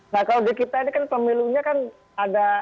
nah kalau di kita ini kan pemilunya kan ada